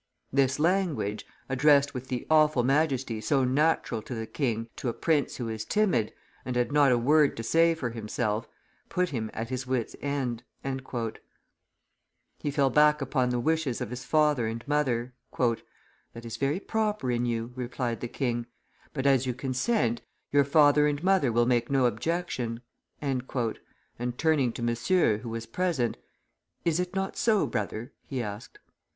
This language, addressed with the awful majesty so natural to the king to a prince who was timid, and had not a word to say for himself, put him at his wits' end." He fell back upon the wishes of his father and mother. "That is very proper in you," replied the king; "but, as you consent, your father and mother will make no objection;" and, turning to Monsieur, who was present, "Is it not so, brother?" he asked.